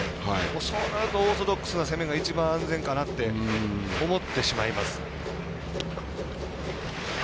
そうなるとオーソドックスな攻めが一番安全かなと思ってしまいます。